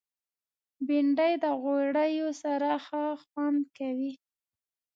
بېنډۍ د غوړیو سره ښه خوند کوي